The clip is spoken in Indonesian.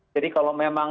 jadi kalau memang